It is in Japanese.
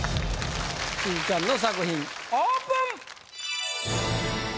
しずちゃんの作品オープン！